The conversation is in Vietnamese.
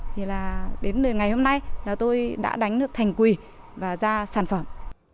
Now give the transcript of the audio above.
thì là đến ngày hôm nay là tôi đã đánh được thành quỳ và ra sản phẩm